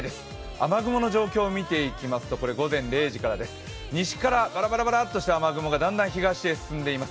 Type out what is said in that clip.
雨雲の状況を見ていきますと午前０時からです、西からぱらぱらっとした雨雲がだんだん東へ進んでいます。